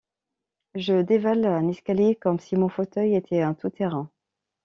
Je dévale un escalier comme si mon fauteuil était un toutterrain.